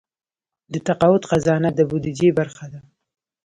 د تقاعد خزانه د بودیجې برخه ده